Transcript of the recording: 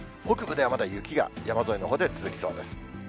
北部ではまだ雪が山沿いのほうで続きそうです。